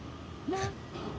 なっ？